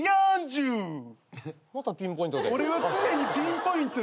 またピンポイントで。